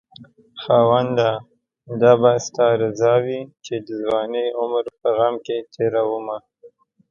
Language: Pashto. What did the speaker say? خاونده دا به ستا رضاوي چې دځوانۍ عمر په غم کې تيرومه